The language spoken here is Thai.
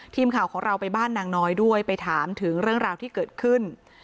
ทีมข่าวของเราไปบ้านนางน้อยด้วยไปถามถึงเรื่องราวที่เกิดขึ้น